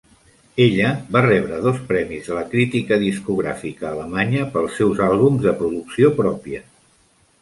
Ella va rebre dos premis de la Crítica discogràfica alemanya pels seus àlbums de producció pròpia.